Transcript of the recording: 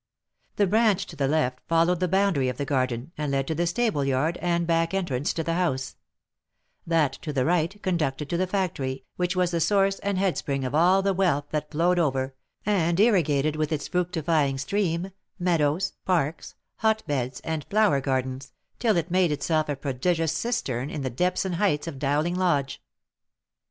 The branch to the left followed the boundary of the garden, and led to the stable yard and back entrance to the house ; that to the right conducted to the factory, which was the source and head spring of all the wealth that flowed over, and irri gated with its fructifying stream, meadows, parks, hot beds and flower gardens, till it made itself a prodigious cistern in the depths and heights of Dowling Lodge.